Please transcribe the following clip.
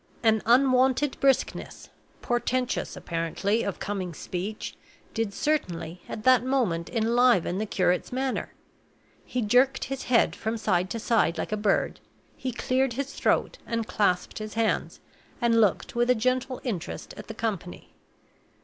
An unwonted briskness portentous apparently of coming speech did certainly at that moment enliven the curate's manner. He jerked his head from side to side like a bird; he cleared his throat, and clasped his hands, and looked with a gentle interest at the company.